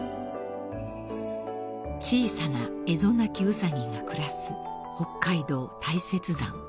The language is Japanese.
［小さなエゾナキウサギが暮らす北海道大雪山］